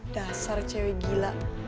dasar cewek gila